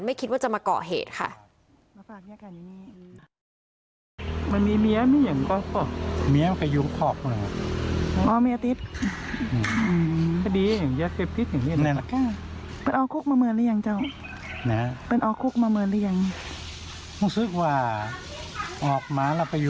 คิดว่าจะมาเกาะเหตุค่ะ